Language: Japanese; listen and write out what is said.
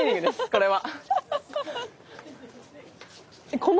これは。